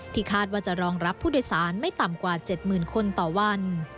คาดว่าจะรองรับผู้โดยสารไม่ต่ำกว่า๗๐๐คนต่อวัน